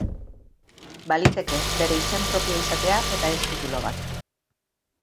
Baliteke bere izen propioa izatea, eta ez titulu bat.